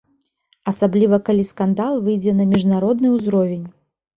Асабліва калі скандал выйдзе на міжнародны ўзровень.